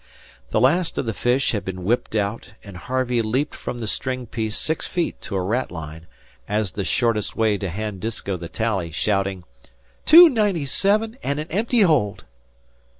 The last of the fish had been whipped out, and Harvey leaped from the string piece six feet to a ratline, as the shortest way to hand Disko the tally, shouting, "Two ninety seven, and an empty hold!"